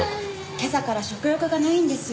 今朝から食欲がないんですよ。